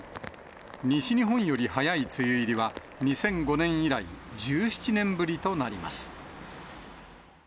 西日本より早い梅雨入りは、２００５年以来、１７年ぶりとなります。